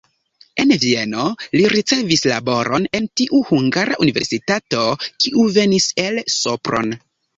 En Vieno li ricevis laboron en tiu hungara universitato, kiu venis el Sopron.